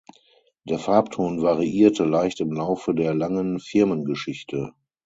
Der Farbton variierte leicht im Laufe der langen Firmengeschichte.